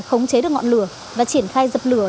khống chế được ngọn lửa và triển khai dập lửa